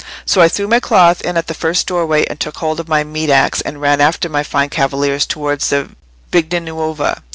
So I threw my cloth in at the first doorway, and took hold of my meat axe and ran after my fine cavaliers towards the Vigna Nuova.